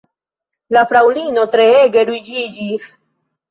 La fraŭlino treege ruĝiĝis.